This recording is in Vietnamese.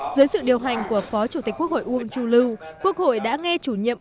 dưới sự điều hành của phó chủ tịch quốc hội uông chu lưu quốc hội đã nghe chủ nhiệm